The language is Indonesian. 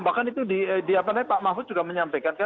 bahkan itu pak mahfud juga menyampaikan